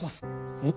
うん。